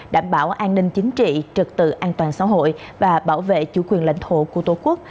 đảm bảo an ninh chính trị trật tự an toàn xã hội và bảo vệ chủ quyền lãnh thổ của tổ quốc